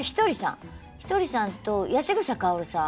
ひとりさんと八千草薫さん。